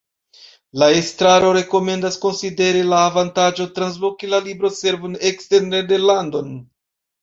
La estraro rekomendas konsideri la avantaĝojn transloki la Libroservon ekster Nederlandon.